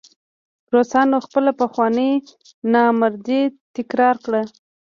روسانو خپله پخوانۍ نامردي تکرار کړه.